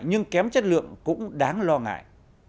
nhưng kém chất lượng cũng đáng lo ngại